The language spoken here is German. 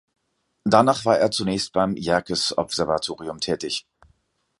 Danach war er zunächst beim Yerkes-Observatorium tätig.